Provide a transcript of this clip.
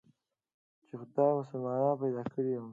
چې خداى مسلمان پيدا کړى يم.